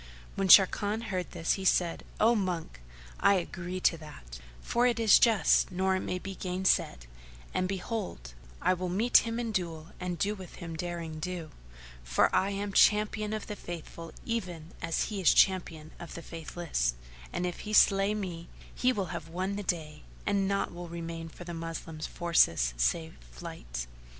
When Sharrkan heard this he said, "O monk, I agree to that, for it is just nor may it be gainsaid; and behold, I will meet him in duello and do with him derring do, for I am Champion of the Faithful even as he is Champion of the Faithless; and if he slay me, he will have won the day and naught will remain for the Moslems forces save flight.